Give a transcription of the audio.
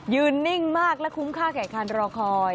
นิ่งมากและคุ้มค่าแก่คันรอคอย